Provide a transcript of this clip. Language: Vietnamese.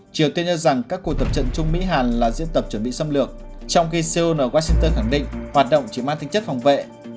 triều tiên cho rằng các cuộc tập trận chung mỹ hàn là diễn tập chuẩn bị xâm lược trong khi seoul ở washington khẳng định hoạt động chỉ mang tính chất phòng vệ